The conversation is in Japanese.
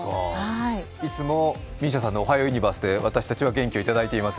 いつもＭＩＳＩＡさんの「おはようユニバース」で私たちは元気をいただいています。